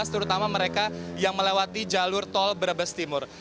terutama mereka yang melewati jalur tol brebes timur